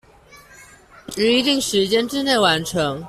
於一定時間之内完成